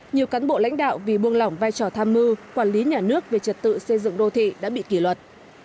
nhiều cán bộ lãnh đạo vì buông lỏng vai trò tham mưu quản lý nhà nước về trật tự xây dựng đô thị đã bị kỷ luật